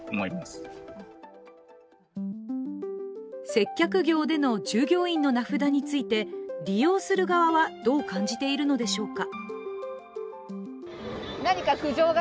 接客業での従業員の名札について利用する側は、どう感じているのでしょうか。